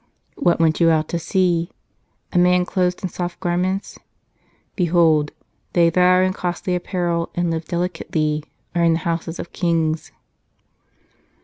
" What went you out to see ? A man clothed in soft garments ? Behold, they that are in costly apparel and live delicately are in the houses of kings."